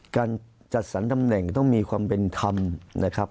การจัดสรรตำแหน่งต้องมีความเป็นธรรมนะครับ